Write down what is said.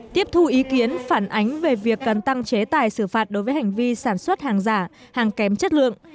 tiếp thu ý kiến phản ánh về việc cần tăng chế tài xử phạt đối với hành vi sản xuất hàng giả hàng kém chất lượng